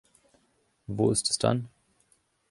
Wo ist es dann?